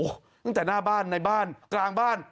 ต้องจ่ายหน้าบ้านในบ้านกลางบ้าน